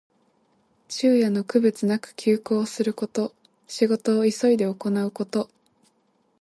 昼夜の区別なく急行すること。仕事を急いで行うこと。